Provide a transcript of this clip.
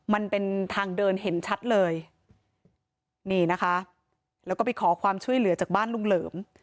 มันเป็นทางเดินเห็นชัดเลยนี่นะคะแล้วก็ไปขอความช่วยเหลือจากบ้านลุงเหลิม